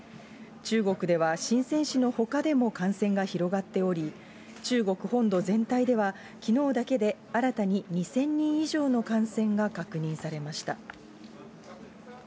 中国では、深せん市のほかでも感染が広がっており、中国本土全体ではきのうだけで新たに２０００人以上の感染が確認されました。